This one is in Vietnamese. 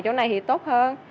chỗ này thì tốt hơn